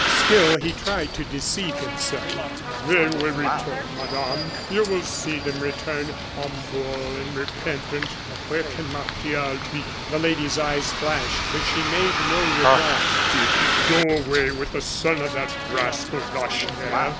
Still he tried to deceive himself. "They will return, Madame; you will see them return, humble and repentant! But where can Martial be?" The lady's eyes flashed, but she made no reply. "Did he go away with the son of that rascal, Lacheneur?"